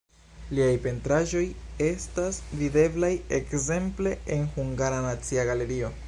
Liaj pentraĵoj estas videblaj ekzemple en Hungara Nacia Galerio.